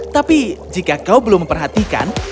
tapi jika kau belum memperhatikan